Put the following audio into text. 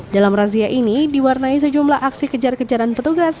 dalam razia ini diwarnai sejumlah aksi kejar kejaran petugas